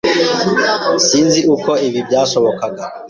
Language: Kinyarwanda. Sinzi uko ibi byashobokaga.